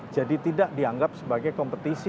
jadi tidak dianggap sebagai kompetisi